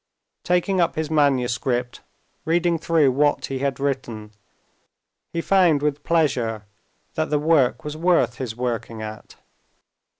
Taking up his manuscript, reading through what he had written, he found with pleasure that the work was worth his working at.